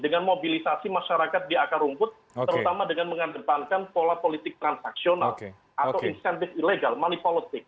dengan mobilisasi masyarakat di akar rumput terutama dengan mengedepankan pola politik transaksional atau insentif ilegal money politic